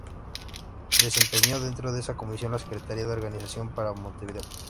Desempeñó dentro de esa Comisión la Secretaría de Organización para Montevideo.